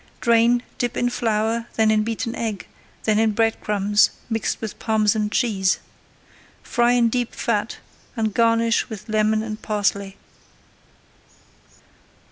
Drain, dip in flour, then in beaten egg, then in bread crumbs, mixed with Parmesan cheese. Fry in deep fat and garnish with lemon and parsley.